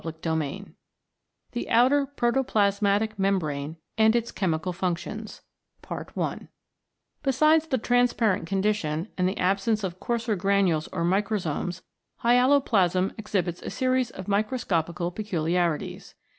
34 CHAPTER IV THE OUTER PROTOPLASMATIC MEMBRANE AND ITS CHEMICAL FUNCTIONS BESIDES the transparent condition and the absence of coarser granules or microsomes hyaloplasm exhibits a series of microscopical peculiarities.